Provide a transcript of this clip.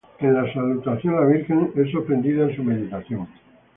En la salutación, la Virgen es sorprendida en su meditación.